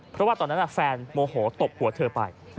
เพราะว่าตอนนั้นแฟนโมโหตบหัวเธอไป